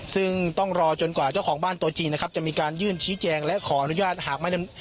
ซึ่งต้องรอจนกว่าเจ้าของบ้านตัวจริงนะครับจะมีการยื่นชี้แจงและขออนุญาตหากไม่ได้